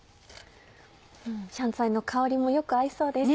香菜の香りもよく合いそうです。